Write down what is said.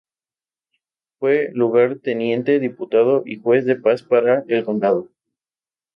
Fue lugarteniente diputado y juez de paz para el condado.